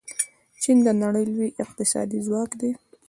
چین د نړۍ لوی اقتصادي ځواک دی.